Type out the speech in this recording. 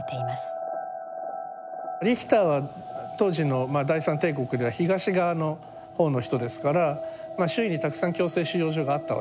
リヒターは当時のまあ第三帝国では東側の方の人ですから周囲にたくさん強制収容所があったわけですよね。